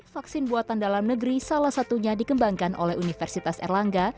vaksin buatan dalam negeri salah satunya dikembangkan oleh universitas erlangga